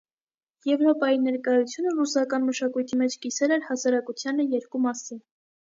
Եվրոպայի ներկայությունը ռուսական մշակույթի մեջ կիսել էր հասարակությանը երկու մասի։